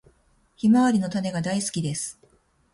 ヒマワリの種が大好きです。